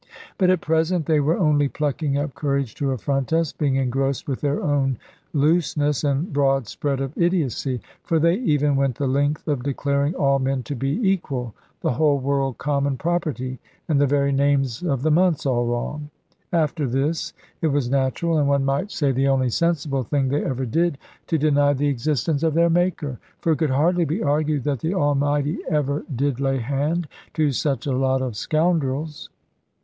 But at present they were only plucking up courage to affront us, being engrossed with their own looseness, and broad spread of idiocy. For they even went the length of declaring all men to be equal, the whole world common property, and the very names of the months all wrong! After this it was natural, and one might say the only sensible thing they ever did, to deny the existence of their Maker. For it could hardly be argued that the Almighty ever did lay hand to such a lot of scoundrels.